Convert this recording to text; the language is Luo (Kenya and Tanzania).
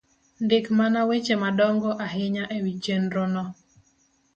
Ndik mana weche madongo ahinya e wi chenro no